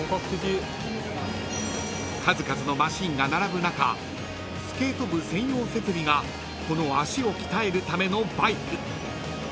［数々のマシンが並ぶ中スケート部専用設備がこの脚を鍛えるためのバイク］